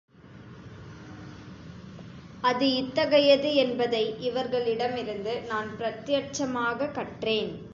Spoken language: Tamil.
அது இத்தகையது என்பதை இவர்களிடமிருந்து நான் பிரத்யட்சமாகக் கற்றேன்.